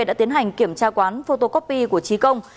đã tiến hành kiểm tra quán photocopy của trí công